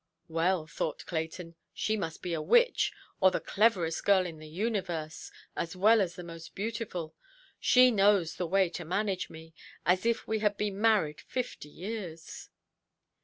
"Well", thought Clayton, "she must be a witch, or the cleverest girl in the universe, as well as the most beautiful. She knows the way to manage me, as if we had been married fifty years".